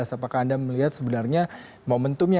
apakah anda melihat sebenarnya momentumnya